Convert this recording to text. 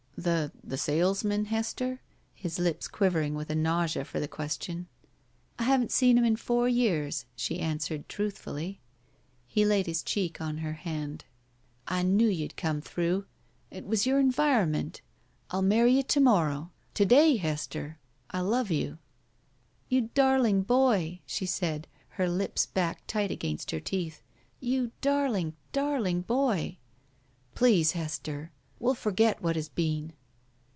The — ^the salesman, Hester?" — ^his lips quiver ing with a nausea for the question. ^'I haven't seen him in four years," she answered, truthfully. He laid his cheek on her hand. I knew you'd come through. It was your environment. I'll marry you to morrow — ^to day, Hester. I love you." *'You darling boy!" she said, her lips back tight against her teeth. '*You darling, darling boy!" "Please, Hester! We'll forget what has been."